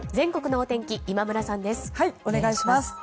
お願いします。